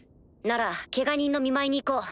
ならケガ人の見舞いに行こう。